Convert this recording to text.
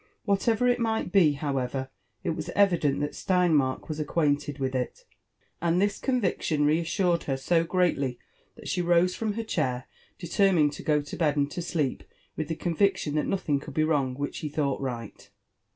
Whatever it might be, bovir— aver, it was evident that Steinmark was acquainted with it ; and thia conviction reassured her so greatly, that she rose from her chair, de > lermined to go to bed and to sleep with the convictiofi' that nolhiag eould ba wrong which he thought right.